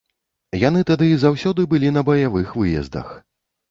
Яны тады заўсёды былі на баявых выездах.